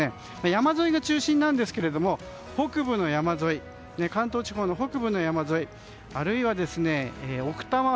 山沿いが中心なんですが関東地方の北部の山沿いあるいは奥多摩